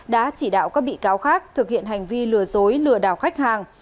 đã chỉ đạo các bị cáo khác thực hiện hành vi lừa dối lừa đảo khách hàng